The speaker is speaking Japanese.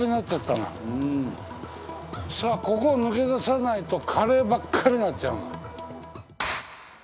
さあここを抜け出さないとカレーばっかりになっちゃうもん。